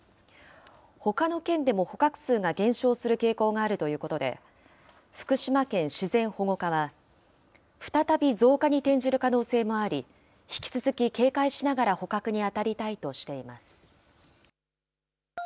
ほかの県でも捕獲数が減少する傾向があるということで、福島県自然保護課は、再び増加に転じる可能性もあり、引き続き警戒しながら捕獲に当たりたいとしています。